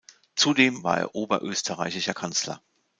Zudem war er oberösterreichischer Kanzler.